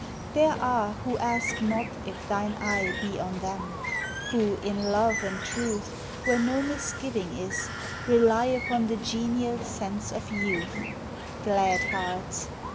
There are who ask not if. thine eye Be on them ; who, in love and truth Where no misgiving is, rely Upon the genial sense of youth : Glad hearts